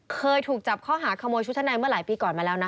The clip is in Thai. เคยถูกจับข้อหาขโมยชุดชั้นในเมื่อหลายปีก่อนมาแล้วนะ